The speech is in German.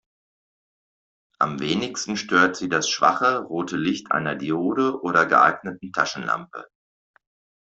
Am wenigsten stört sie das schwache, rote Licht einer Diode oder geeigneten Taschenlampe.